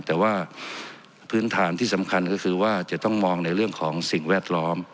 แต่ว่าพื้นฐานที่สำคัญก็คือว่าจะต้องมองในเรื่องของสิ่งแวดล้อม